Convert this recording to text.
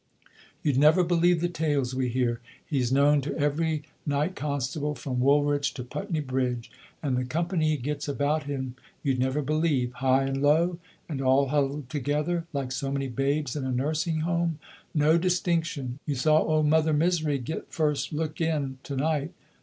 You'd never believe the tales we hear. He's known to every night constable from Woolwich to Putney Bridge and the company he gets about him you'd never believe. High and low, and all huddled together like so many babes in a nursing home. No distinction. You saw old Mother Misery get first look in to night?